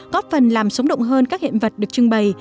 góp phần làm sống động hơn các hiện vật được trưng bày